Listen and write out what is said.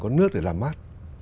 có cái nước để làm mát